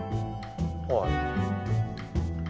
・はい